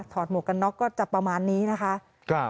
หมวกกันน็อกก็จะประมาณนี้นะคะ